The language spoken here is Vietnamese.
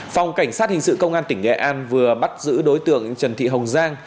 phòng cảnh sát hình sự công an tỉnh nghệ an vừa bắt giữ đối tượng trần thị hồng giang